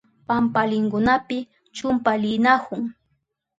Pampalinkunapi chumpilinahun.